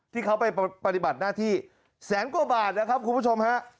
ที่เขาไปปฏิบัติหน้าที่แสนกว่าบาทนะครับคุณผู้ชมฮะ